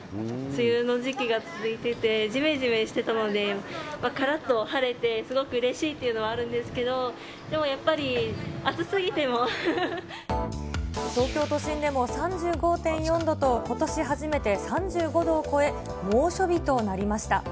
梅雨の時期が続いてて、じめじめしていたので、からっと晴れて、すごくうれしいっていうのはあるんですけど、でもやっぱり、東京都心でも３５．４度と、ことし初めて３５度を超え、猛暑日となりました。